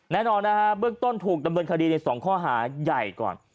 แน่นอนนะฮะเบื้องต้นถูกดำเนินคดีใน๒ข้อหาใหญ่ก่อน